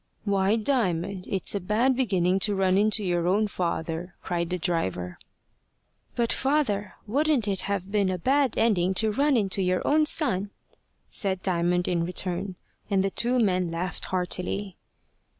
"Why, Diamond, it's a bad beginning to run into your own father," cried the driver. "But, father, wouldn't it have been a bad ending to run into your own son?" said Diamond in return; and the two men laughed heartily.